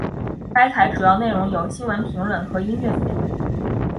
该台主要内容有新闻评论和音乐节目。